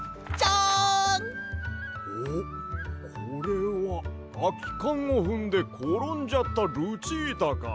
おっこれはあきかんをふんでころんじゃったルチータか！